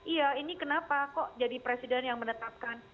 iya ini kenapa kok jadi presiden yang menetapkan